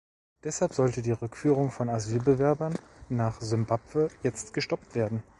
Deshalb sollte die Rückführung von Asylbewerbern nach Simbabwe jetzt gestoppt werden.